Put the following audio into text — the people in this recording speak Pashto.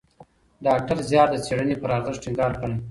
ډاکټر زیار د څېړني پر ارزښت ټینګار کړی.